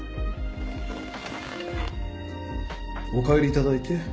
お帰りいただいて。